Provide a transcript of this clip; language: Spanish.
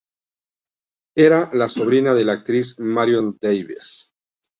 Era la sobrina de la actriz Marion Davies.